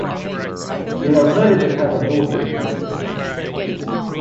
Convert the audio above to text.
They are married and have a daughter together.